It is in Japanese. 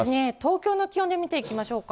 東京の気温で見ていきましょうか。